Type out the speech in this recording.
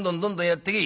「やってけ？